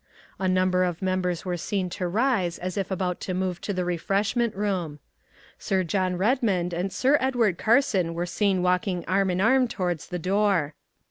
A number of members were seen to rise as if about to move to the refreshment room. Mr. John Redmond and Sir Edward Carson were seen walking arm in arm towards the door.